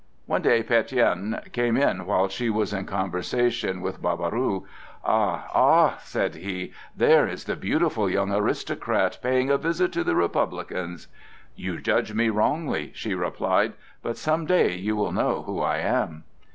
One day Pétion came in while she was in conversation with Barbaroux. "Ah, ah," said he, "there is the beautiful young aristocrat paying a visit to the Republicans." "You judge me wrongly," she replied, "but some day you will know who I am."